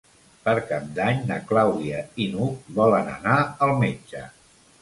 Per Cap d'Any na Clàudia i n'Hug volen anar al metge.